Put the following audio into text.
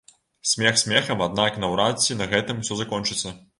Смех смехам аднак наўрад ці на гэтым усё закончыцца.